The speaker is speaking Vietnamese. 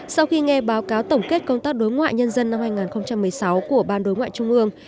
sau khi nghe báo cáo tổng kết công tác đối ngoại nhân dân năm hai nghìn một mươi sáu của ban đối ngoại trung ương